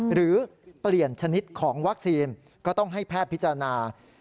หรือเปลี่ยนชนิดของวัคซีนก็ต้องให้แพทย์พิจารณา